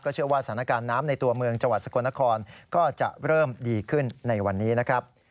เชื่อว่าสถานการณ์น้ำในตัวเมืองจังหวัดสกลนครก็จะเริ่มดีขึ้นในวันนี้นะครับ